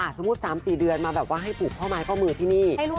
สมมุติ๓๔เดือนมาแบบว่าให้ผูกข้อไม้ข้อมือที่นี่